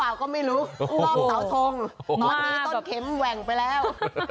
ก็ไม่รู้รอบเสาทงตอนนี้ต้นเข็มแหว่งไปแล้ว